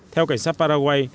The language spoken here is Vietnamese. theo cảnh sát paraguay